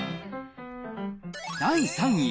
第３位。